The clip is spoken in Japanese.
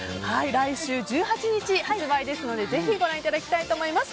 来週１８日発売ですのでぜひご覧いただきたいと思います。